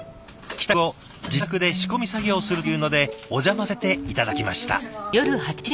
帰宅後自宅で仕込み作業をするというのでお邪魔させて頂きました。